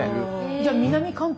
じゃ南関東